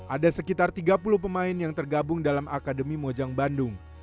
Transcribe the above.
ada sekitar tiga puluh pemain yang tergabung dalam akademi mojang bandung